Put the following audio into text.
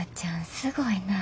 すごいな。